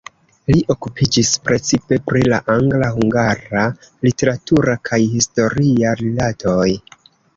Li okupiĝis precipe pri la angla-hungara literatura kaj historia rilatoj.